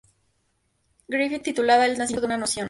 Griffith titulada "El nacimiento de una nación".